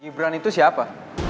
ibran itu siapa